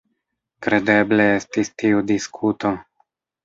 Kredeble estis tiu diskuto.